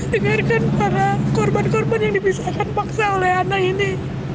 dengarkan para korban korban yang dipisahkan paksa oleh anak ini